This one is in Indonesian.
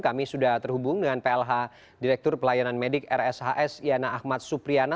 kami sudah terhubung dengan plh direktur pelayanan medik rshs yana ahmad supriana